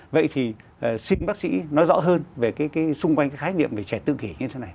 vậy thì xin bác sĩ nói rõ hơn về cái xung quanh cái khái niệm về trẻ tự kỷ như thế này